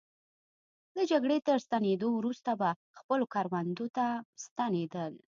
له جګړې تر ستنېدو وروسته به خپلو کروندو ته ستنېدل.